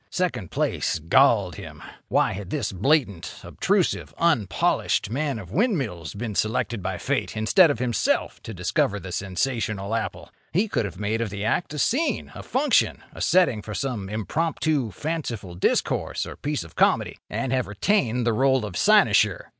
Second place galled him. Why had this blatant, obtrusive, unpolished man of windmills been selected by Fate instead of himself to discover the sensational apple? He could have made of the act a scene, a function, a setting for some impromptu, fanciful discourse or piece of comedy—and have retained the role of cynosure.